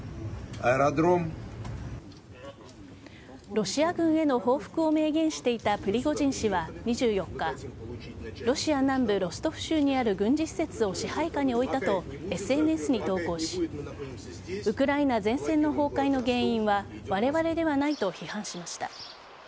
ロシア軍への報復を明言していたプリゴジン氏は２４日ロシア南部・ロストフ州にある軍事施設を支配下に置いたとＳＮＳに投稿しウクライナ前線の崩壊の原因はわれわれではないと批判しました。